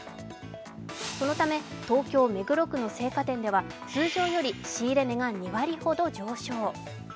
そのため、東京・目黒区の生花店では通常より仕入れ値が２割ほど上昇。